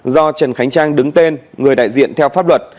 do trần khánh trang đứng tên người đại diện theo pháp luật